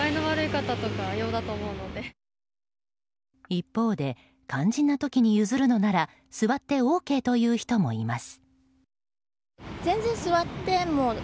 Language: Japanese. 一方で、肝心な時に譲るのなら座ってＯＫという人もいます。